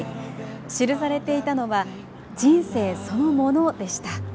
記されていたのは人生そのものでした。